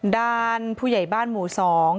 ด้านผู้ใหญ่บ้านหมู่สอง